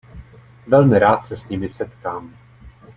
Velmi rád se s nimi setkám.